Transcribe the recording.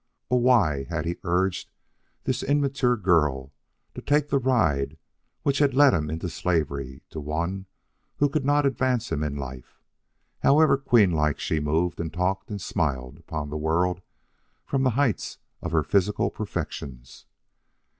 Oh, why had he urged this immature girl to take the ride which had led him into slavery to one who could not advance him in life, however queen like she moved and talked and smiled upon the world from the heights of her physical perfections.